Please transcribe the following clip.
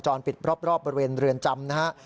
ปิดรอบบริเวณเรือนจำนะฮะ